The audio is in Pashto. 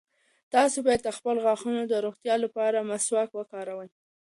تاسي باید د خپلو غاښونو د روغتیا لپاره مسواک وکاروئ.